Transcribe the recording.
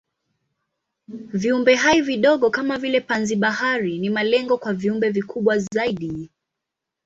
Viumbehai vidogo kama vile panzi-bahari ni malengo kwa viumbe vikubwa zaidi.